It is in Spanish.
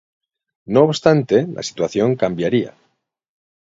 No obstante la situación cambiaría.